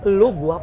ada orang datang